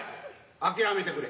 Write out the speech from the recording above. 諦めてくれ。